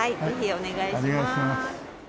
お願いします。